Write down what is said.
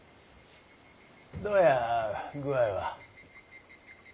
どうや具合は。